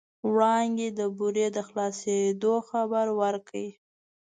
وړانګې د بورې د خلاصېدو خبر ورکړ.